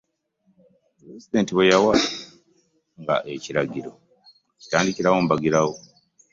pulezidenti bwe yawa nga ekiragiro nga kitandikirawo mbagirawo.